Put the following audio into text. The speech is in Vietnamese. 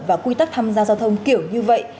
và quy tắc tham gia giao thông kiểu như vậy